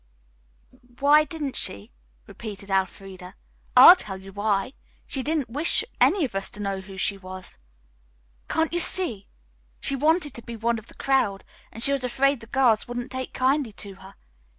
"Why didn't she?" repeated Elfreda. "I'll tell you why. She didn't wish any of us to know who she was. Can't you see? She wanted to be one of the crowd and she was afraid the girls wouldn't take kindly to her.